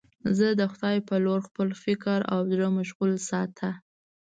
زه د خدای په لور خپل فکر او زړه مشغول ساته.